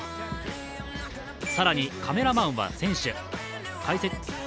更に、カメラマンは選手。